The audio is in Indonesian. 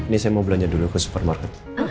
ini saya mau belanja dulu ke supermarket